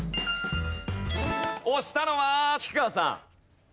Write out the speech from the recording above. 押したのは菊川さん。